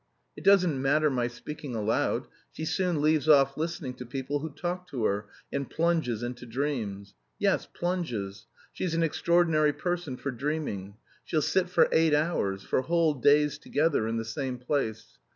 It doesn't matter my speaking aloud, she soon leaves off listening to people who talk to her, and plunges into dreams. Yes, plunges. She's an extraordinary person for dreaming; she'll sit for eight hours, for whole days together in the same place.